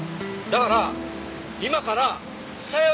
だから今からさよ